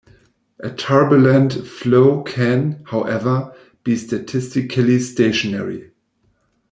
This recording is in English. A turbulent flow can, however, be statistically stationary.